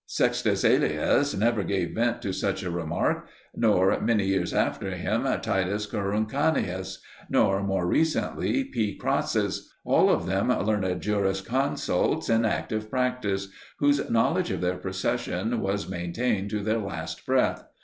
Sext. Aelius never gave vent to such a remark, nor, many years before him, Titus Coruncanius, nor, more recently, P. Crassus all of them learned juris consults in active practice, whose knowledge of their profession was maintained to their last breath.